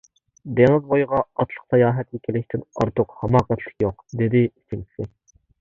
دېڭىز بويىغا ئاتلىق ساياھەتكە كېلىشتىن ئارتۇق ھاماقەتلىك يوق، - دېدى ئۈچىنچىسى.